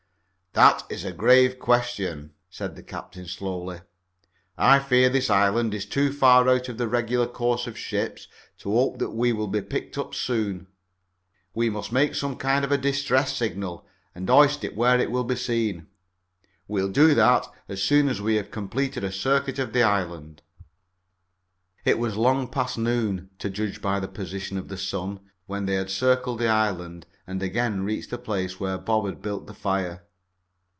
"That is a grave question," said the captain slowly. "I fear this island is too far out of the regular course of ships to hope that we will be picked up soon. We must make some kind of a distress signal and hoist it where it will be seen. We'll do that as soon as we have completed the circuit of the island." It was long past noon, to judge by the position of the sun, when they had circled the island and again reached the place where Bob had built the fire.